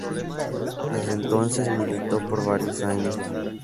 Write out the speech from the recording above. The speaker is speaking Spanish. Desde entonces militó por varios años.